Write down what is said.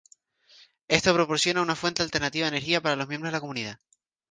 Esto proporcionará una fuente alternativa de energía para los miembros de la comunidad.